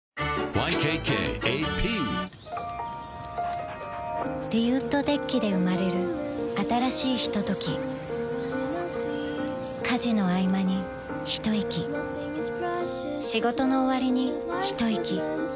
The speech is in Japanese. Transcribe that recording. ＹＫＫＡＰリウッドデッキで生まれる新しいひととき家事のあいまにひといき仕事のおわりにひといき